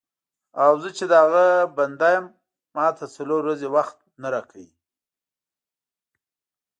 او زه چې د هغه بنده یم ماته څلور ورځې وخت نه راکوې.